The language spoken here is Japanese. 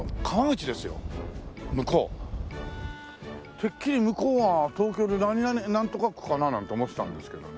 てっきり向こうが東京でなんとか区かななんて思ってたんですけどね。